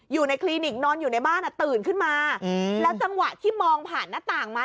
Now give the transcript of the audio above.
คลินิกนอนอยู่ในบ้านอ่ะตื่นขึ้นมาแล้วจังหวะที่มองผ่านหน้าต่างมา